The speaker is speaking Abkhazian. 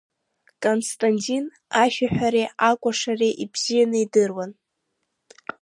Константин ашәаҳәареи акәашареи ибзианы идыруан.